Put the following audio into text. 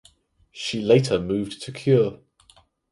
She later moved to Kure.